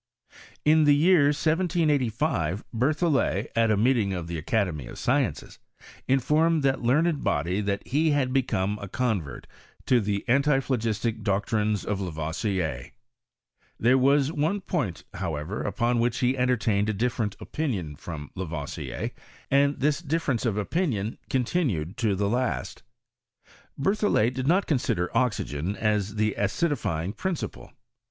pnoGRESS Og CHEMISTRY IN FBANCE. 143 In the year 1785 Berthollet, at a meeting of the Academy of Sciences, informed tliat learned body that he had become a convert to the anti pblogisUc doctrioes of Lavoisier. There was one point, however, upon which he enlevtained a dif lereot opiniuD from Lavoisier, and this difference of opinion continued to the last. Berthollet did not consider oxygen as tlie acidifying principle.